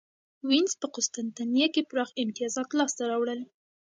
وینز په قسطنطنیه کې پراخ امیتازات لاسته راوړل.